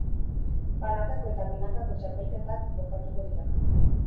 Banakako eta binakako txapelketak jokatuko dira.